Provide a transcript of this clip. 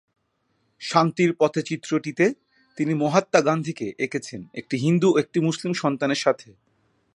শান্তির পথে চিত্রটিতে তিনি মহাত্মা গান্ধীকে এঁকেছেন একটি হিন্দু ও একটি মুসলিম সন্তানের সাথে।